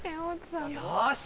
よし！